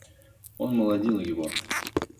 Он молодил его.